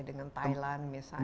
dengan thailand misalnya